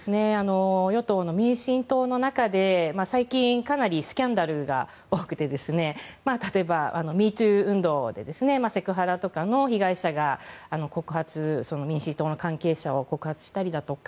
与党の民進党の中で最近、かなりスキャンダルが多くて例えば、ミートゥー運動でセクハラとかの被害者が民進党の関係者を告発したりだとか